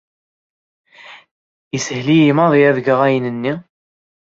Yeshel-iyi maḍi ad geɣ ayen-nni.